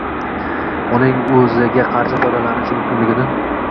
uning o‘ziga qarshi foydalanilishi mumkinligini